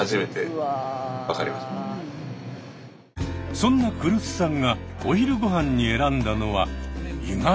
そんな来栖さんがお昼ご飯に選んだのは意外にも。